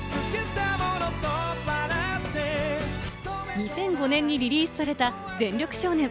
２００５年にリリースされた『全力少年』。